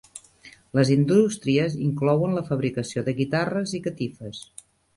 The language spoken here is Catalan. Les indústries inclouen la fabricació de guitarres i catifes.